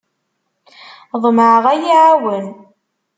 Ḍemɛeɣ ad iyi-iɛawen.